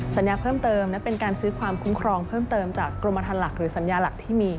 สัญญาเพิ่มเติมและเป็นการซื้อความคุ้มครองเพิ่มเติมจากกรมฐานหลักหรือสัญญาหลักที่มี